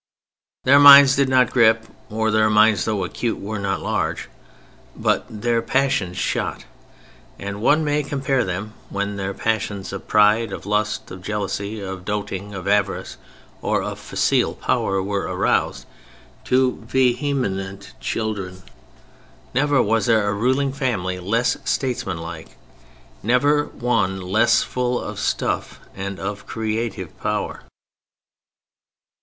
Their minds did not grip (for their minds, though acute, were not large) but their passions shot. And one may compare them, when their passions of pride, of lust, of jealousy, of doting, of avarice or of facile power were aroused, to vehement children. Never was there a ruling family less statesmanlike; never one less full of stuff and of creative power.